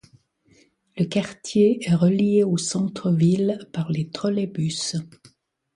Le quartier est relié au centre ville par des trolleybus.